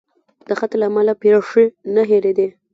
د خط له امله پیښې نه هېرېدې.